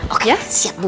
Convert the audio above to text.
oke siap bu